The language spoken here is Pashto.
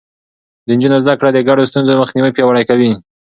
د نجونو زده کړه د ګډو ستونزو مخنيوی پياوړی کوي.